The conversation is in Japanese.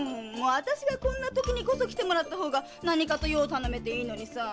あたしがこんなときにこそ来てもらった方が何かと用を頼めていいのにさあ。